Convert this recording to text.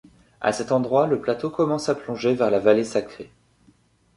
À cet endroit, le plateau commence à plonger vers la Vallée sacrée.